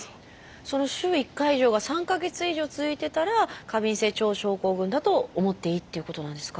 その週１回以上が３か月以上続いてたら過敏性腸症候群だと思っていいっていうことなんですか？